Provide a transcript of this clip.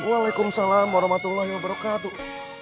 waalaikumsalam warahmatullahi wabarakatuh